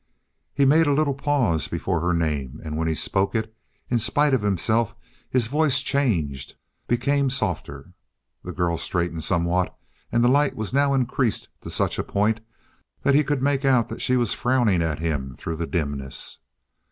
He made a little pause before her name, and when he spoke it, in spite of himself, his voice changed, became softer. The girl straightened somewhat, and the light was now increased to such a point that he could make out that she was frowning at him through the dimness.